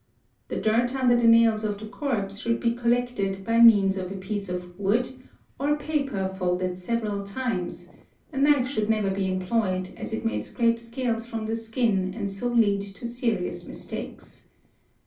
The dirt under the nails of the corpse should be collected by means of a piece of wood or paper folded several times; a knife should never be employed, as it may scrape scales from the skin and so lead to serious mistakes.